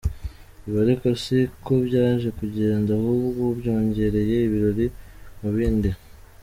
Ibi ariko si ko byaje kugenda, ahubwo byongereye ibirori mu bindi.